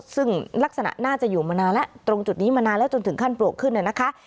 ซึ่งลักษณะน่าจะอยู่มานานแล้วตรงจุดนี้มานานแล้วจนถึงขั้นโปรกขึ้นเนี่ยนะคะ